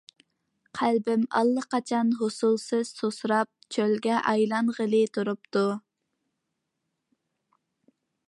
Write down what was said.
قەلبىم ئاللىقاچان ھوسۇلسىز سۇسىراپ چۆلگە ئايلانغىلى تۇرۇپتۇ.